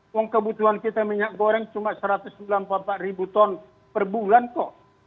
uang kebutuhan kita minyak goreng cuma satu ratus sembilan puluh empat ribu ton per bulan kok